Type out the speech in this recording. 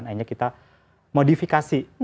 akhirnya kita modifikasi drum drumnya